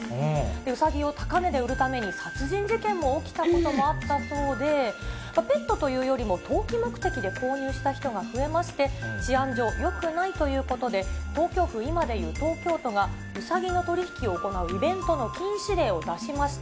うさぎを高値で売るために、殺人事件も起きたこともあったそうで、ペットというよりも、投機目的で購入した人が増えまして、治安上よくないということで、東京府、今でいう東京都が、うさぎの取り引きを行うイベントの禁止令を出しました。